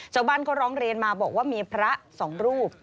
ชาวบ้านก็ร้องเรียนมาบอกว่ามีพระสองรูป